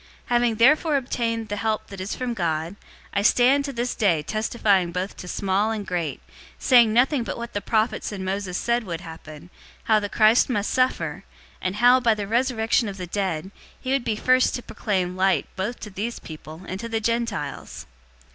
026:022 Having therefore obtained the help that is from God, I stand to this day testifying both to small and great, saying nothing but what the prophets and Moses said would happen, 026:023 how the Christ must suffer, and how, by the resurrection of the dead, he would be first to proclaim light both to these people and to the Gentiles."